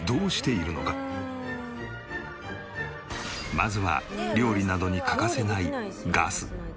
まずは料理などに欠かせないガス。